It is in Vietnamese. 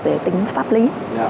vệ tính pháp lý